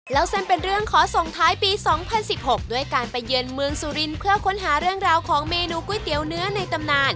แล้วเส้นเป็นเรื่องขอส่งท้ายปี๒๐๑๖ด้วยการไปเยือนเมืองสุรินทร์เพื่อค้นหาเรื่องราวของเมนูก๋วยเตี๋ยวเนื้อในตำนาน